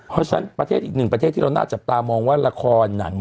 เพราะฉะนั้นประเทศอีกหนึ่งประเทศที่เราน่าจับตามองว่าละครหนัง